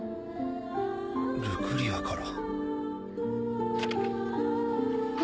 ルクリアから？